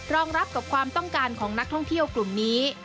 รองรับกับความต้องการของนักท่องเที่ยวกลุ่มนี้